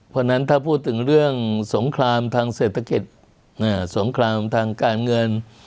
เพราะฉะนั้นถ้าพูดถึงเรื่องสงครามทางเศรษฐกิจสงครามทางการเงิน